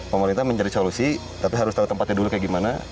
pemerintah mencari solusi tapi harus tahu tempatnya dulu kayak gimana